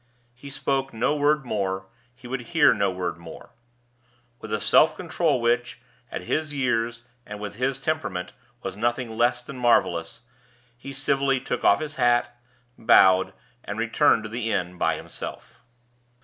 He spoke no word more; he would hear no word more. With a self control which, at his years and with his temperament, was nothing less than marvelous, he civilly took off his hat, bowed, and returned to the inn by himself.